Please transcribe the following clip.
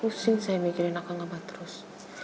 mungkin saya mikirin akan abah terus